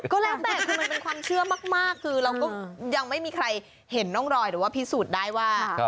ก็แล้วแต่คือมันเป็นความเชื่อมากคือเราก็ยังไม่มีใครเห็นร่องรอยหรือว่าพิสูจน์ได้ว่า